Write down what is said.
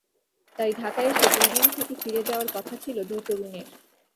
তাই ঢাকায় এসে দুই দিন থেকে ফিরে যাওয়ার কথা ছিল দুই তরুণের।